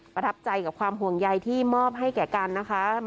ประทับใจกับความห่วงใยที่มอบให้แก่กันนะคะ